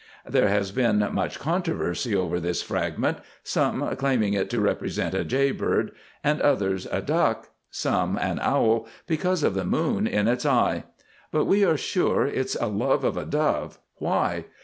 There has been much controversy over this fragment, some claiming it to represent a Jay Bird, others a Duck, some an Owl because of the moon in its eye, but we are sure it's a love of a Dove! Why?